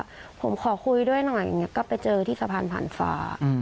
ว่าผมขอคุยด้วยหน่อยก็ไปเจอที่สะพานผ่านฟ้า